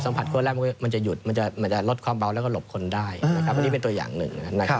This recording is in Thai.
สัมผัสคนแรกมันจะหยุดมันจะลดความเบาแล้วก็หลบคนได้อันนี้เป็นตัวอย่างหนึ่ง